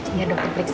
biar dokter periksa